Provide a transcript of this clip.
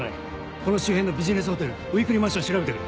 この周辺のビジネスホテルウイークリーマンションを調べてくれ。